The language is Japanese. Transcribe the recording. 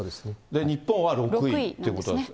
日本は６位ということです。